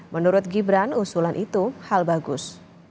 menurut gibran usulan itu hal bagus